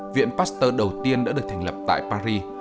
viện pasteur đầu tiên đã được thành lập tại paris